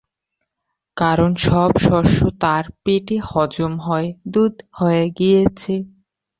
কারণ, সব শস্য তাঁর পেটে হজম হয়ে দুধ হয়ে গিয়েছে।